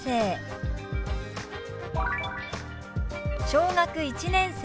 「小学１年生」。